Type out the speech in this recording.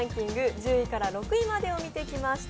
１０位から６位までを見てきました。